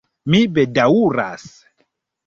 Mi bedaŭras.